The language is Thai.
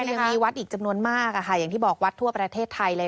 ยังมีวัดอีกจำนวนมากค่ะอย่างที่บอกวัดทั่วประเทศไทยเลย